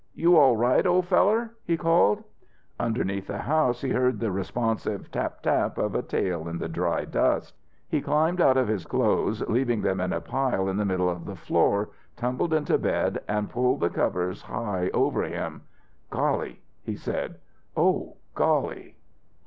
"You all right, old feller?" he called. Underneath the house he heard the responsive tap tap of a tail in the dry dust. He climbed out of his clothes, leaving them in a pile in the middle of the floor, tumbled into bed, and pulled the covers high over him. "Golly!" he said. "Oh, golly!"